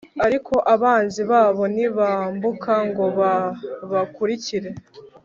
ariko abanzi babo ntibambuka ngo babakurikire